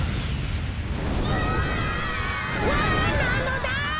うわ！わなのだ！